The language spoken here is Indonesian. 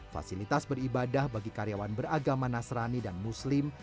fasilitas beribadah bagi karyawan beragama nasrani dan muslim